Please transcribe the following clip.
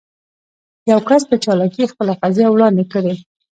يو کس په چالاکي خپله قضيه وړاندې کړي.